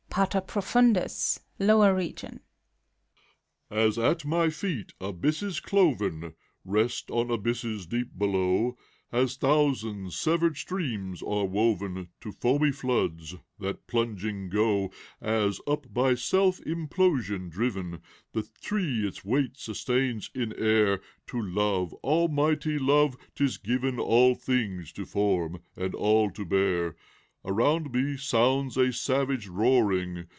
PATER PROFUNDUS. {Lower Region,) As at my feet abjrsses cloven Rest on abysses deep below; As thousand severed streams are woven To foamy floods that plunging go ; As, up by self impulsion driven. The tree its weight sustains in air, To Love, almighty Love, 't is given All things to form, and all to bear. Around me sounds a savage roaring.